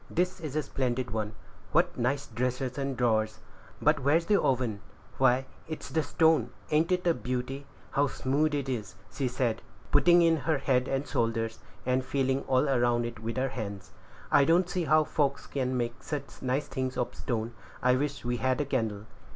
This is a splendid one; what nice dressers and drawers! but where is the oven? Why, it's stone; ain't it a beauty; how smooth it is!" said she, putting in her head and shoulders, and feeling all around it with her hands. "I don't see how folks can make such nice things of stone. I wish we had a candle."